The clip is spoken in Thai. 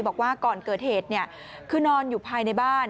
บอกว่าก่อนเกิดเหตุคือนอนอยู่ภายในบ้าน